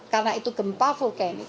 karena itu gempa vulkanik